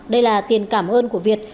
đây là tiền cảm ơn của việt